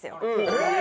えっ！